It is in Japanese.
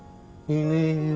いねえよ。